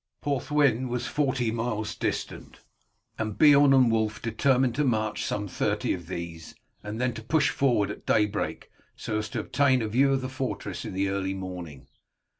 Porthwyn was forty miles distant, and Beorn and Wulf determined to march some thirty of these, and then to push forward at daybreak so as to obtain a view of the fortress in the early morning.